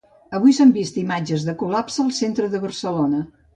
Avui s’han vist imatges de col·lapse al centre de Barcelona.